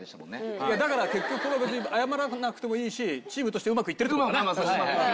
いやだから結局これは別に謝らなくてもいいしチームとしてうまく行ってるっていうことだね。